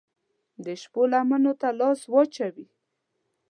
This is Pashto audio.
د شپو لمنو ته لاس واچوي